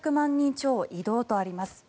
超移動とあります。